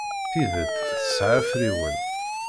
Tidet tesɛa afriwen.